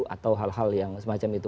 atau hal hal yang semacam itu